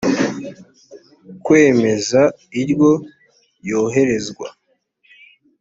kwemeza iryo yoherezwa